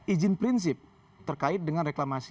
izin prinsip terkait dengan reklamasi